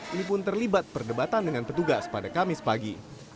ini pun terlibat perdebatan dengan petugas pada kamis pagi